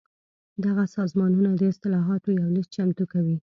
دغه سازمانونه د اصلاحاتو یو لېست چمتو کوي.